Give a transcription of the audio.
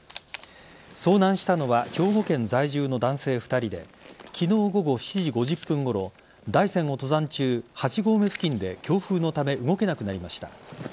遭難したのは兵庫県在住の男性２人で昨日午後７時５０分ごろ大山を登山中、８合目付近で強風のため動けなくなりました。